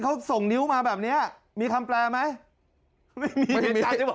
เขาส่งนิ้วมาแบบนี้มีคำแปลไหม